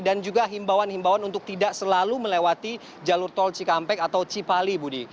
juga himbauan himbauan untuk tidak selalu melewati jalur tol cikampek atau cipali budi